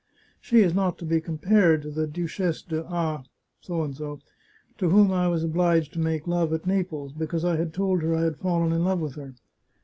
... She is not to be compared to the Duchess d'A , to whom I was obliged to make love, at Naples, because I had told her I had fallen in love with her.